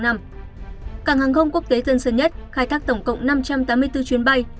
cảng hàng không quốc tế tân sơn nhất khai thác tổng cộng năm trăm tám mươi bốn chuyến bay